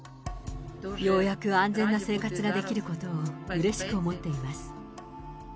ようやく安全な生活ができることをうれしく思っています。